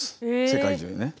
世界中でね。